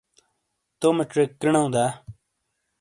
تومے چیک کِرِینَو دا؟